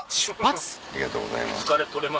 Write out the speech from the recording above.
ありがとうございます。